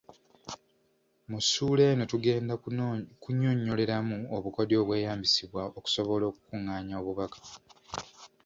Mu ssuula eno tugenda kunnyonnyoleramu obukodyo obweyambisibwa okusobola okukungaanya obubaka.